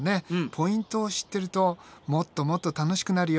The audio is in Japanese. ポイントを知ってるともっともっと楽しくなるよ。